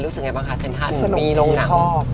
รู้สึกยังไงบ้างคะเซ็นทรัลมีลงหนัง